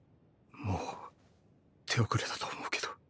もう手遅れだと思うけど。